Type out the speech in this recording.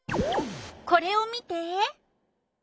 これを見て！